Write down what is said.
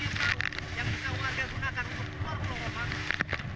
ini adalah satu peristiwa yang bisa warga gunakan untuk keluar pulau romang